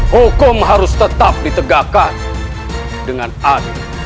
hukum harus tetap ditegakkan dengan adil